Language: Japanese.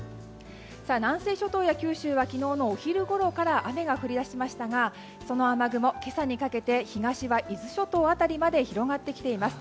南西諸島や九州は昨日のお昼ごろから雨が降り出しましたがその雨雲、今朝にかけて東は伊豆諸島辺りまで広がってきています。